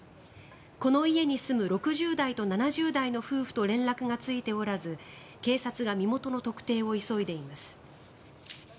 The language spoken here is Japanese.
この家に住む６０代と７０代の夫婦と連絡がついておらず、警察が身元の特定を急いでいます。